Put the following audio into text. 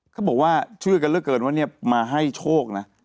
เขาบอกว่าเชื่อกันเรื่องเกินว่ามาให้โชคนะ